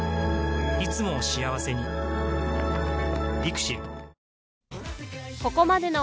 いつもを幸せに ＬＩＸＩＬ